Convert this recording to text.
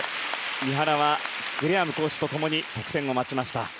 三原はグレアムコーチと共に得点を待ちました。